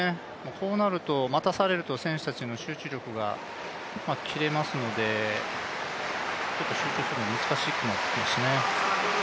こうなると、待たされると選手たちの集中力が切れますので、ちょっと集中するのが難しくなってきますね。